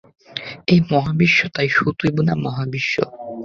এই মহাবিশ্ব তাই সুতোয় বোনা মহাবিশ্ব।